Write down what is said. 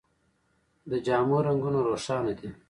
د جامو رنګونه روښانه دي.